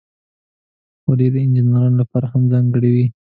خولۍ د انجینرانو لپاره هم ځانګړې وي.